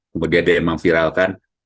kemudian dia emang viralkan